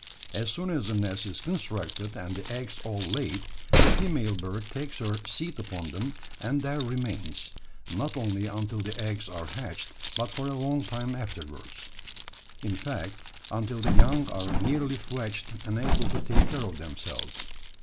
As soon as the nest is constructed and the eggs all laid, the female bird takes her seat upon them, and there remains; not only until the eggs are hatched, but for a long time afterwards in fact, until the young are nearly fledged and able to take care of themselves.